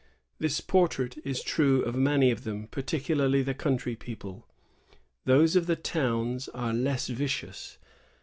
This portrait is true of many of them, particularly the country people : those of the towns are less vicious.